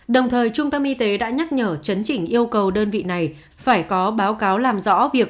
đồng thời trung tâm y tế đã nhắc nhở chấn chỉnh yêu cầu đơn vị này phải có báo cáo làm rõ việc